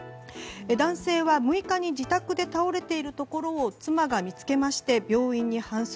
男性は６日に自宅で倒れているところを妻が見つけ、病院に搬送。